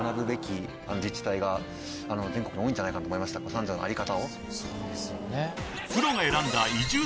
三条の在り方を。